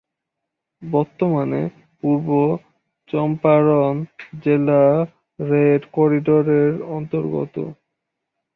বর্তমানে পূর্ব চম্পারণ জেলা রেড করিডোরের অন্তর্গত।